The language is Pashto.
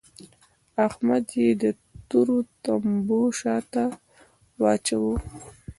احمد يې د تورو تمبو شا ته واچاوو.